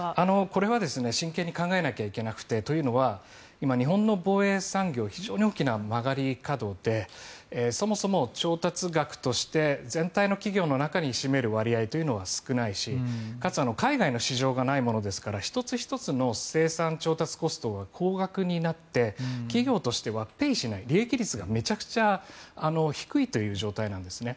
これは真剣に考えなくてはいけなくてというのは今、日本の防衛産業は非常に大きな曲がり角でそもそも調達額として全体の企業の中に占める割合は少ないしかつ海外の市場ないものですから１つ１つの生産調達コストが高額になって企業としてはペイしない利益率がめちゃくちゃ低いという状態なんですね。